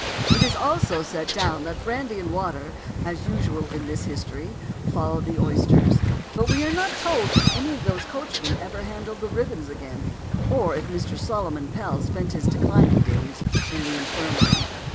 It is also set down that brandy and water, as usual in this history, followed the oysters; but we are not told if any of those coachmen ever handled the ribbons again, or if Mr. Solomon Pell spent his declining days in the infirmary.